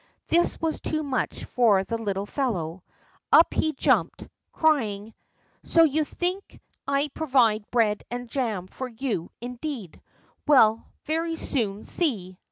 This was too much for the little fellow. Up he jumped, crying: "So you think I provide bread and jam for you, indeed! Well, we'll very soon see!